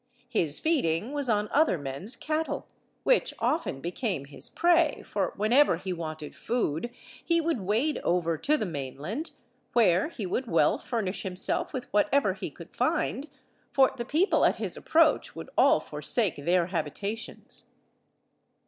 His feeding was on other men's cattle, which often became his prey, for whenever he wanted food, he would wade over to the mainland, where he would well furnish himself with whatever he could find, for the people at his approach would all forsake their habitations.